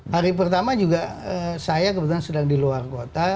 hari pertama juga saya kebetulan sedang di luar kota